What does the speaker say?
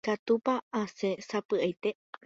Ikatúpa asẽ sapy'aite.